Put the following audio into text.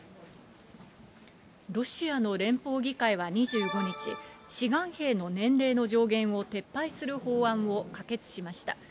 ロシアの連邦議会は２５日、志願兵の年齢の上限を撤廃する法案を可決しました。